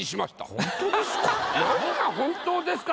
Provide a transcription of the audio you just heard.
本当ですか？